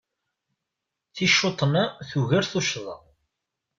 Ticcuṭna tugar tuccḍa.